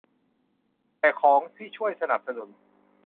แต่ของที่ช่วยสนับสนุน